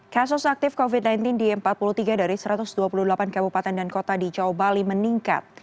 kasus aktif covid sembilan belas di empat puluh tiga dari satu ratus dua puluh delapan kabupaten dan kota di jawa bali meningkat